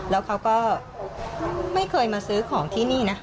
แล้วเขาก็ไม่เคยมาซื้อของที่นี่นะ